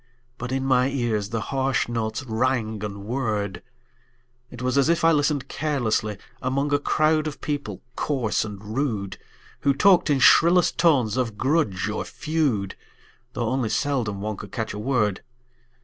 But in my ears the harsh notes rang and whirred; It was as if I listened carelessly Among a crowd of people coarse and rude, Who talked in shrillest tones of grudge or feud, Though only seldom one could catch a word.